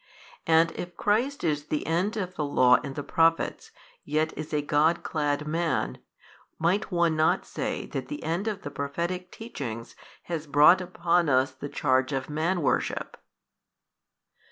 And if Christ is the end of the Law and the Prophets, yet is a God clad man, might one not say that the end of the prophetic preachings has brought upon us the charge of man worship?